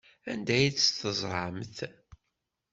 Anda ay tt-teẓramt?